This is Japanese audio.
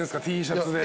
Ｔシャツで。